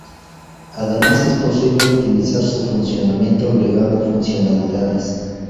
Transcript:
Además es posible optimizar su funcionamiento agregando funcionalidades.